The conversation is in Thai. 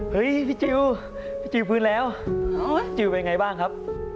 เฮ้ยพี่จิลพี่จิลฟื้นแล้วจิลเป็นไงบ้างครับ